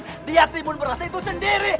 karena dia timun beras itu sendiri